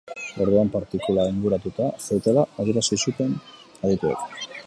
Orduan, partikula inguratuta zutela adierazi zuten adituek.